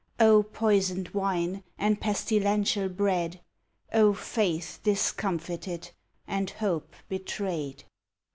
O poisoned wine and pestilential bread ! O faith discomfited and hope betrayed!